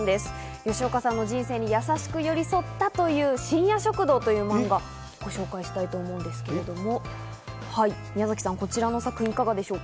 吉岡さんの人生に優しく寄り添ったという、『深夜食堂』という漫画、ご紹介したいと思うんですけれども、宮崎さん、こちらの作品いかがでしょうか。